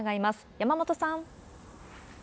山本さん。